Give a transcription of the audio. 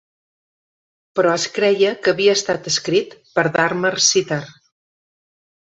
Però es creia que havia estat escrit per Dharma Citar.